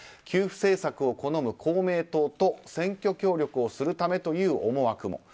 給付政策を好む公明党と選挙協力をするためという思惑も。